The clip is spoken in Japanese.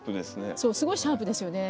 そうすごいシャープですよね。